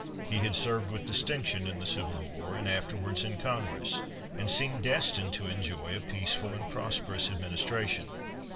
He had served with distinction in the Civil War and afterwards in Congress and seemed destined to enjoy a peaceful and prosperous administration.